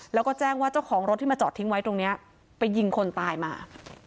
แล้วก็แจ้งว่าเจ้าของรถที่มาจอดทิ้งไว้ตรงนี้ไปยิงคนตายมา